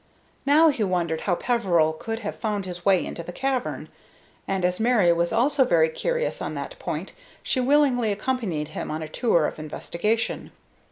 Now he wondered how Peveril could have found his way into the cavern; and as Mary was also very curious on that point, she willingly accompanied him on a tour of investigation.